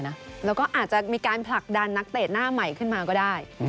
แล้วก็อาจจะมีการผลักดันนักเตะหน้าใหม่ขึ้นมาก็ได้